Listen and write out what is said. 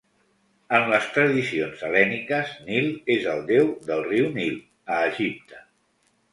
En les tradicions hel·lèniques, Nil és el déu del riu Nil, a Egipte.